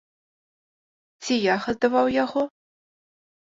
Ці я гадаваў яго?!